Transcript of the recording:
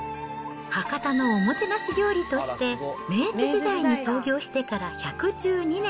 博多のおもてなし料理として、明治時代に創業してから１１２年。